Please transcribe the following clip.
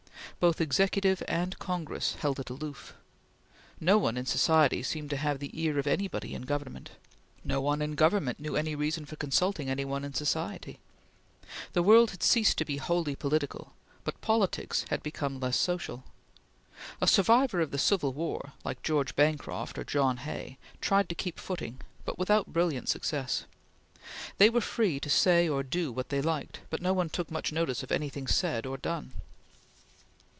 Both Executive and Congress held it aloof. No one in society seemed to have the ear of anybody in Government. No one in Government knew any reason for consulting any one in society. The world had ceased to be wholly political, but politics had become less social. A survivor of the Civil War like George Bancroft, or John Hay tried to keep footing, but without brilliant success. They were free to say or do what they liked; but no one took much notice of anything said or done.